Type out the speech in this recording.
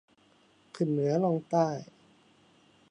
ขึ้นเหนือ ล่องใต้